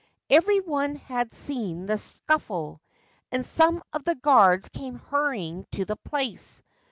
Every one had seen the scuffle, and some of the guards came hurrying to the place.